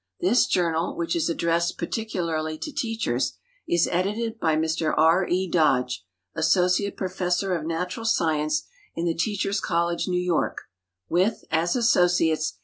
This journal, which is addressed par ticularly to teachers, is edited by Mr R. E. Dodge, Associate Professor of Natural Science in the Teachers College, New York, with, as associates.